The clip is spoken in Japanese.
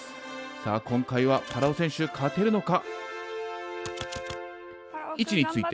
さあ今回はパラオ選手勝てるのか？